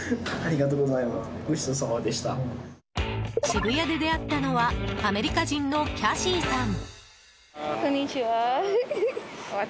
渋谷で出会ったのはアメリカ人のキャシーさん。